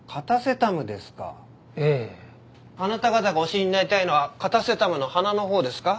あなた方がお知りになりたいのはカタセタムの花のほうですか？